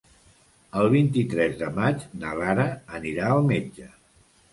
El vint-i-tres de maig na Lara anirà al metge.